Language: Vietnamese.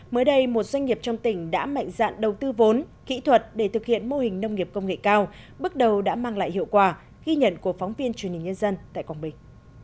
mới đây một doanh nghiệp trong tỉnh đã mạnh dạn đầu tư vốn kỹ thuật để thực hiện mô hình nông nghiệp công nghệ cao bước đầu đã mang lại hiệu quả ghi nhận của phóng viên truyền hình nhân dân tại quảng bình